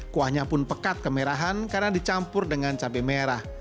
kuahnya pun pekat kemerahan karena dicampur dengan cabai merah